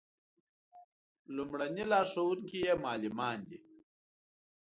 لومړني لارښوونکي یې معلمان دي.